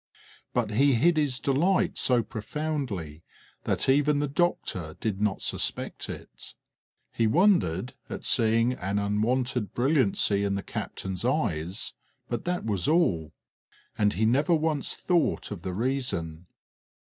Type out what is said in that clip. But he hid his delight so profoundly that even the doctor did not suspect it; he wondered at seeing an unwonted brilliancy in the captain's eyes; but that was all, and he never once thought of the reason.